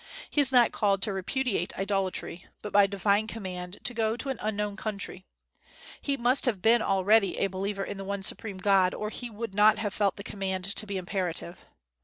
He is not called to repudiate idolatry, but by divine command to go to an unknown country. He must have been already a believer in the One Supreme God, or he would not have felt the command to be imperative.